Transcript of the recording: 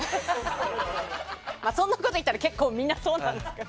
そんなこと言ったら結構、みんなそうなんですけど。